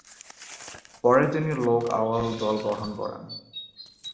পরে তিনি লোক আওয়াজ দল গঠন করেন।